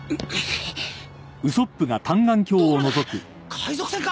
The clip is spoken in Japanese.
海賊船か？